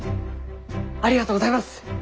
ありがとうございます！